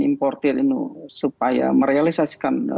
impor ini supaya merealisasikan